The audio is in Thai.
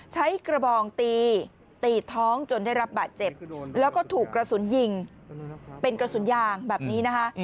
ใช้กระบองตีตีท้องจนได้รับบาดเจ็บแล้วก็ถูกกระสุนยิงเป็นกระสุนยางแบบนี้นะคะ